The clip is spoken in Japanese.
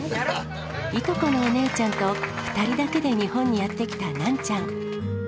従姉妹のお姉ちゃんと２人だけで日本にやってきたナンちゃん